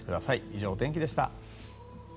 以上、お天気でした。